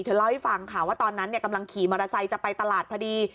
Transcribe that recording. เล่าให้ฟังค่ะว่าตอนนั้นกำลังขี่มอเตอร์ไซค์จะไปตลาดพอดี